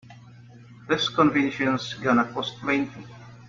This convention's gonna cost plenty.